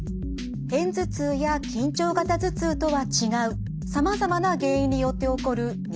片頭痛や緊張型頭痛とは違うさまざまな原因によって起こる二次性頭痛。